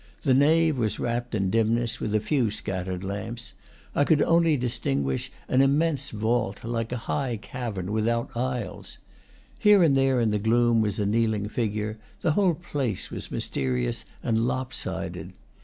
The nave was wrapped in dimness, with a few scattered lamps. I could only distinguish an immense vault, like a high cavern, without aisles. Here and there in the gloom was a kneeling figure; the whole place was mysterious and lop sided.